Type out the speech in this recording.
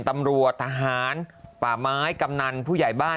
ตำรวจทหารป่าไม้กำนันผู้ใหญ่บ้าน